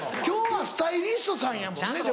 今日はスタイリストさんやもん。